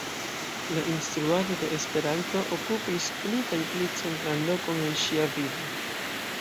La instruado de Esperanto okupis pli kaj pli centran lokon en ŝia vivo.